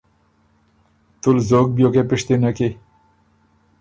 تُول زوک بیوکې پِشتِنه کی؟